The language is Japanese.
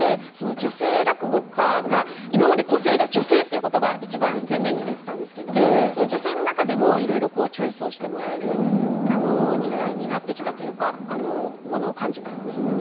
女性落語家が今まで個性が「女性」ということが一番前面に出てたんですけども女性の中でもいろいろチョイスをしてもらえる時代になってきたというようなことを感じますね。